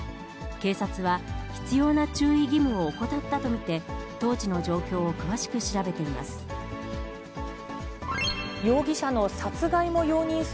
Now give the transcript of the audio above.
警察は、必要な注意義務を怠ったと見て、当時の状況を詳しく調べています。